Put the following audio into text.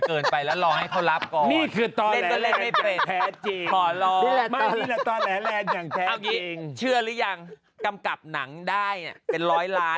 เขารู้แต่เขาไม่บอกเรา